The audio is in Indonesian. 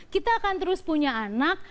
kita akan terus punya anak